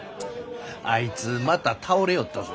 あいつまた倒れよったぞ。